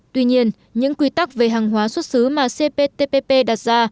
tuy nhiên những quy tắc về hàng hóa xuất xứ mà cptpp đặt ra